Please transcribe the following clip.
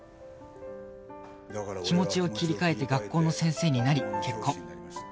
気持ちを切り替えて学校の先生になり結婚